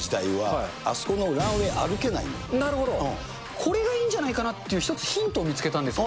これがいいんじゃないかなって１つヒントを見つけたんですけど。